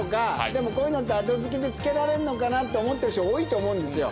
でもこういうのって後付けで付けられんのかなって思ってる人多いと思うんですよ。